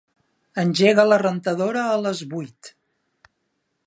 Engega la rentadora a les vuit.